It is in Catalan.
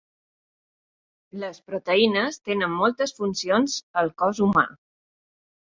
Les proteïnes tenen moltes funcions al cos humà.